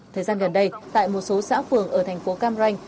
thời gian gần đây tại một số xã phường ở thành phố cam ranh